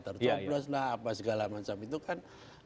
tercoblos lah apa segala macam itu kan